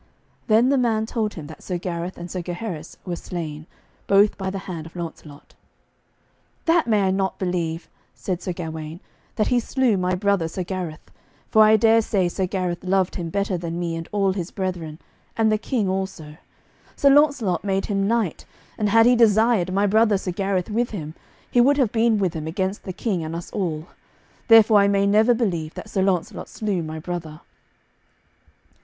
Then the man told him that Sir Gareth and Sir Gaheris were slain, both by the hand of Launcelot. "That may I not believe," said Sir Gawaine, "that he slew my brother Sir Gareth, for I dare say Gareth loved him better than me and all his brethren, and the King also. Sir Launcelot made him knight, and had he desired my brother Sir Gareth with him, he would have been with him against the King and us all. Therefore I may never believe that Sir Launcelot slew my brother."